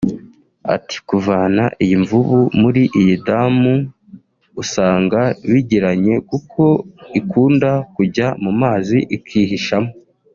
Ati “kuvana iyi mvubu muri iyi damu usanga bigiranye kuko ikunda kujya mu mazi ikihishamo